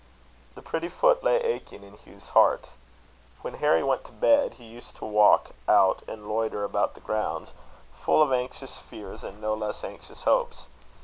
The pretty foot lay aching in Hugh's heart. When Harry went to bed, he used to walk out and loiter about the grounds, full of anxious fears and no less anxious hopes.